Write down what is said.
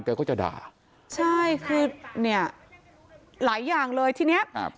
ก็จะด่าใช่คือเนี่ยหลายอย่างเลยทีเนี้ยครับ